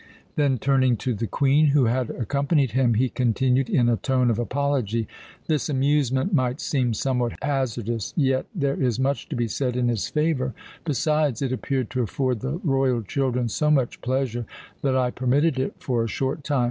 Then, turning to the Queen, who had accompanied him, he continued in a tone of apology: "This amusement might seem somewhat hazardous, yet there is much to be said in its favour. Besides, it appeared to afford the royal children so much pleasure that I permitted it for a short time.